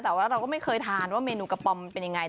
แต่ว่าเราก็ไม่เคยทานว่าเมนูกระป๋อมมันเป็นยังไง